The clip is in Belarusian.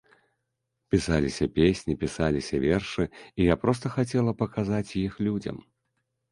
Пісаліся песні, пісаліся вершы, і я проста хацела паказаць іх людзям.